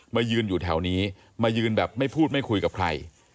มายืนอยู่แถวนี้มายืนแบบไม่พูดไม่คุยกับใคร